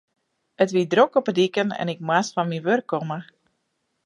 It wie drok op de diken en ik moast fan myn wurk komme.